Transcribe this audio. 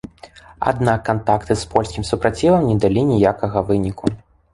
Аднак кантакты з польскім супрацівам не далі ніякага выніку.